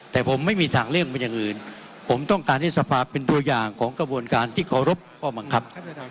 แต่ผมไม่มีทางเลี่ยงเป็นอย่างอื่นผมต้องการให้สภาพเป็นตัวอย่างของกระบวนการที่เคารพข้อบังคับ